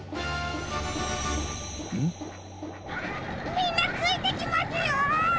みんなついてきますよ！